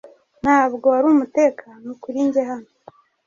Ntabwo ari umutekano kuri njye hano